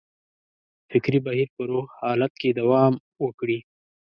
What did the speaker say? فکري بهیر په روغ حالت کې دوام وکړي.